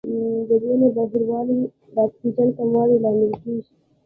د وینې بهیر ورو والی د اکسیجن کموالي لامل کېږي.